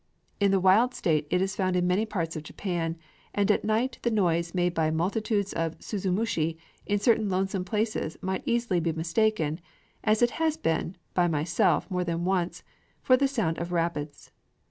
In the wild state it is found in many parts of Japan; and at night the noise made by multitudes of suzumushi in certain lonesome places might easily be mistaken, as it has been by myself more than once, for the sound of rapids.